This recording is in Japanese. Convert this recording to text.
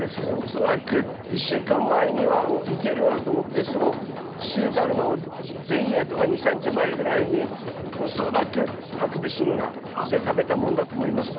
恐らく１週間前にはおっいけるなと思ってその収穫の前夜とか２３日前ぐらいに恐らくハクビシンが来て食べたもんだと思います。